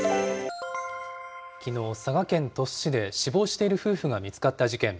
きのう、佐賀県鳥栖市で死亡している夫婦が見つかった事件。